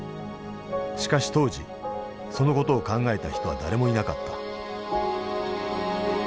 しかし当時その事を考えた人は誰もいなかった。